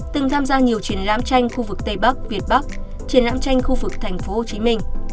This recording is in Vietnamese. từng tham gia nhiều triển lãm tranh khu vực tây bắc việt bắc triển lãm tranh khu vực tp hcm